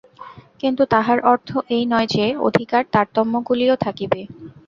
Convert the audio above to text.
কিন্তু তাহার অর্থ এই নয় যে, অধিকার-তারতম্যগুলিও থাকিবে।